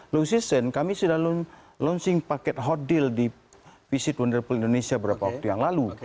low season kami sudah launching paket hot deal di visit wonderpool indonesia beberapa waktu yang lalu